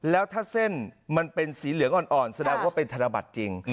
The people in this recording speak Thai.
แล้วถ้าเส้นมันเป็นสีเหลืองอ่อนแสดงว่าเป็นธนบัตรจริง